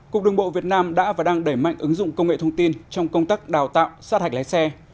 cục đường bộ việt nam đã và đang đẩy mạnh ứng dụng công nghệ thông tin trong công tác đào tạo sát hạch lái xe